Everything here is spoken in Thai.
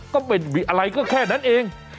ก็เป็นอะไรก็แค่นั้นเอง